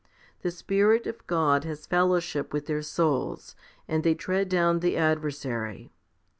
The Spirit of God has fellowship with their souls, and they tread down the adversary.